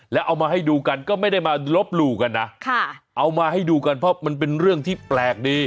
แล้วเอามาให้ดูกันก็ไม่ได้มาลบหลู่กันนะเอามาให้ดูกันเพราะมันเป็นเรื่องที่แปลกดี